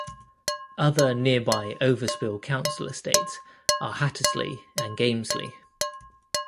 Other nearby overspill council estates are Hattersley and Gamesley.